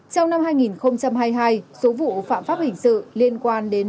trong năm hai nghìn hai mươi hai số vụ phạm pháp hình sự liên quan đến